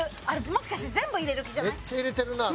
もしかして全部入れる気じゃない？